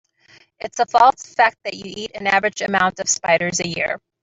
It's a false fact that you eat an average amount of spiders a year.